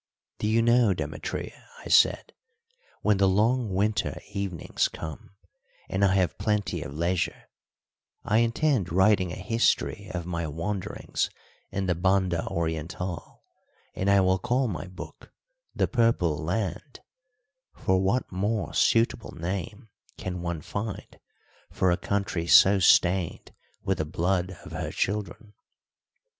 "Do you know, Demetria," I said, "when the long winter evenings come, and I have plenty of leisure, I intend writing a history of my wanderings in the Banda Oriental, and I will call my book The Purple Land; for what more suitable name can one find for a country so stained with the blood of her children?